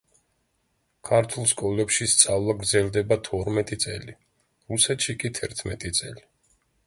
ქართულ სკოლებში სწავლა გრძლდება თორმეტი წელი, რუსეთში კი თერთმეტი წელი.